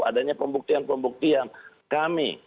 adanya pembuktian pembuktian kami